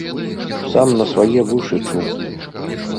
Сам на свае вушы чуў!